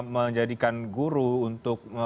menjadikan guru untuk